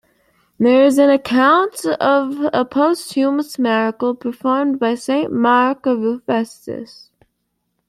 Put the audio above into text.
There is an account of a posthumous miracle performed by Saint Mark of Ephesus.